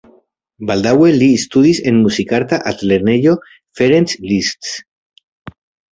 Baldaŭe li studis en Muzikarta Altlernejo Ferenc Liszt.